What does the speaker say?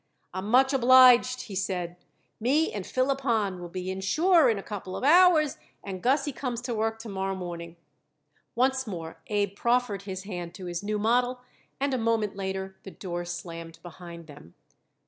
"I'm much obliged," he said. "Me and Philip Hahn will be in sure in a couple of hours, and Gussie comes to work to morrow morning." Once more Abe proffered his hand to his new model, and a moment later the door slammed behind them.